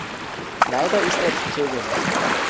Leider ist er zu zögerlich.